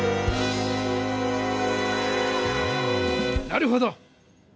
なるほど！